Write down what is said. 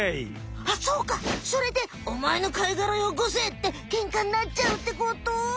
そうかそれで「おまえの貝がらよこせ」ってケンカになっちゃうってこと？